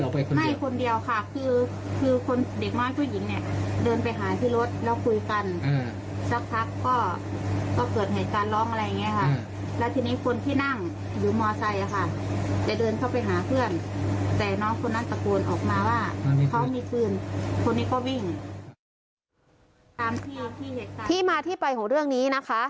เขามีฟืนคนนี้ก็วิ่งตามที่ที่เหตุการณ์ที่มาที่ไปของเรื่องนี้นะคะ